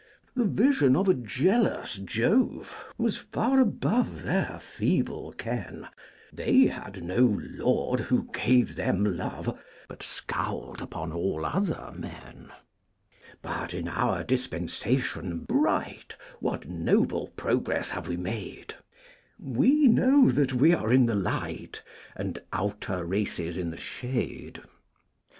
The vision of a jealous Jove Was far above their feeble ken; They had no Lord who gave them love, But scowled upon all other men. But in our dispensation bright, What noble progress have we made! We know that we are in the light, And outer races in the shade.